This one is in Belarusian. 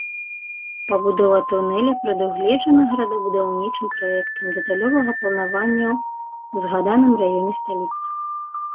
Пабудова тунэля прадугледжана горадабудаўнічым праектам дэталёвага планавання ў згаданым раёне сталіцы.